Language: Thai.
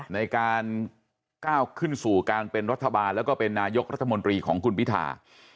ในการก้าวขึ้นสู่การเป็นรัฐบาลแล้วก็เป็นนายกรัฐมนตรีของคุณพิธา